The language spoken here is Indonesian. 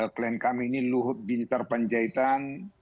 klien kami ini luhut binitar penjaitan